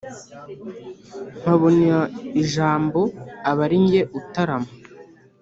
Mpabona ijambo aba ari jye utarama